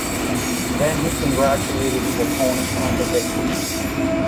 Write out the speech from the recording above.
Then he congratulated the opponent on the victory.